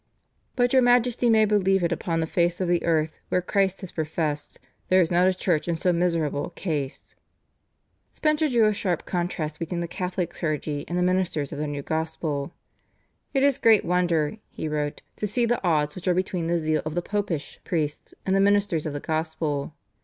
But your Majesty may believe it, upon the face of the earth where Christ is professed, there is not a Church in so miserable a case." Spenser drew a sharp contrast between the Catholic clergy and the ministers of the new gospel. "It is great wonder," he wrote, "to see the odds which are between the zeal of the Popish priests and the ministers of the gospel.